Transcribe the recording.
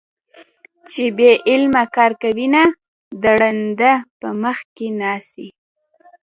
چې بې علمه کار کوينه - د ړانده په مخ کې ناڅي